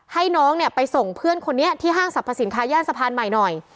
ให้น้องเนี่ยไปส่งเพื่อนคนนี้ที่ห้างสรรพสินค้าย่านสะพานใหม่หน่อย